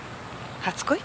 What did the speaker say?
初恋？